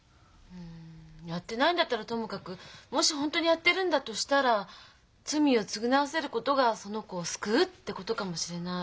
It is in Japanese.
うんやってないんだったらともかくもし本当にやってるんだとしたら罪を償わせることがその子を救うってことかもしれない。